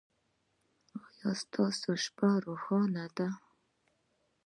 ایا ستاسو شپه روښانه ده؟